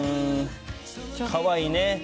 かわいいね。